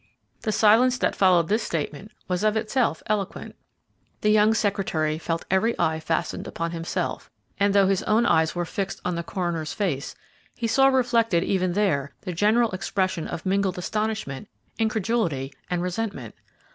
The silence that followed this statement was of itself eloquent. The young secretary felt every eye fastened upon himself, and, though his own eyes were fixed on the coroner's face, he saw reflected even there the general expression of mingled astonishment, incredulity, and resentment.